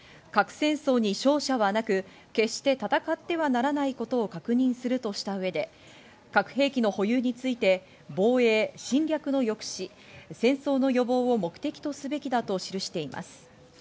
核戦争に勝者はなく決して戦ってはならないことを確認するとした上で、核兵器の保有について防衛、侵略の抑止、戦争の予防を目的とすべきだと記しています。